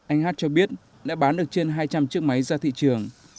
anh hát cho biết đã bán được trên hai trăm linh chiếc máy ra thị trường